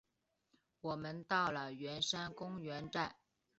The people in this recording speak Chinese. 我们到了圆山公园站